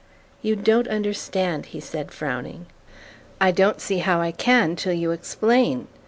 "You don't understand," he said, frowning. "I don't see how I can, till you explain.